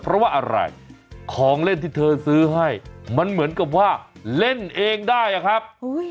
เพราะว่าอะไรของเล่นที่เธอซื้อให้มันเหมือนกับว่าเล่นเองได้อะครับ